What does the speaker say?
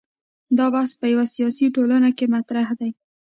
دا بحث په یوه سیاسي ټولنه کې مطرح دی.